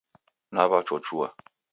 Nawachochua